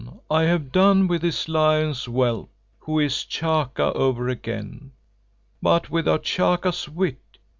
I have done with this lion's whelp, who is Chaka over again, but without Chaka's wit.